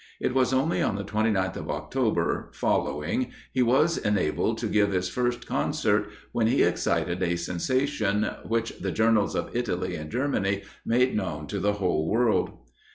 It was only on the 29th of October following he was enabled to give his first concert, when he excited a sensation which the journals of Italy and Germany made known to the whole world.